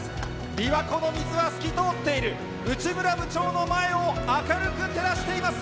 びわ湖の水は透き通っている、内村部長の前を明るく照らしています。